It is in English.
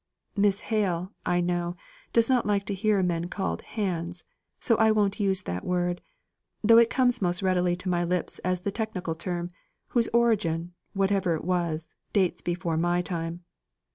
Miss Hale, I know, does not like to hear men called 'hands,' so I won't use that word, though it comes most readily to my lips as the technical term, whose origin, whatever it was, dates before my time.